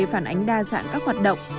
phản ánh đa dạng các hoạt động